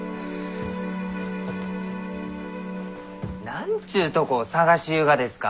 何ちゅうとこを捜しゆうがですか？